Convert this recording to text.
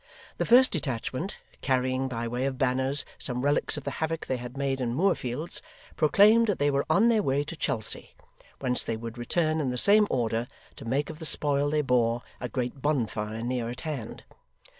The first detachment, carrying, by way of banners, some relics of the havoc they had made in Moorfields, proclaimed that they were on their way to Chelsea, whence they would return in the same order, to make of the spoil they bore, a great bonfire, near at hand.